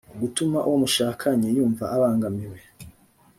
gutuma uwo mwashakanye yumva abangamiwe